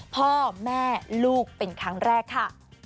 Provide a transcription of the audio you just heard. พ่อแม่ลูกเป็นครั้งแรกค่ะ